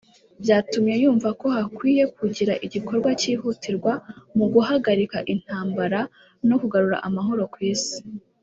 byatumye yumva ko hakwiye kugira igikorwa cyihutirwa mu guhagarika intambara no kugarura amahoro ku isi